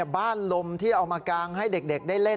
ลมที่เอามากางให้เด็กได้เล่น